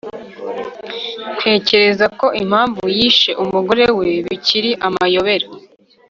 ntekereza ko impamvu yishe umugore we bikiri amayobera